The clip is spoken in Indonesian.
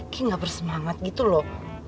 kayaknya gak bersemangat gitu loh